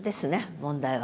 問題は。